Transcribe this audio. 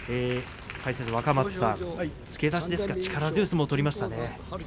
解説の若松さん、付け出しですが力強い相撲を取りましたね。